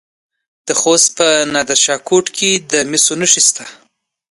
د خوست په نادر شاه کوټ کې د مسو نښې شته.